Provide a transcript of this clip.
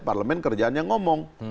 parlemen kerjaannya ngomong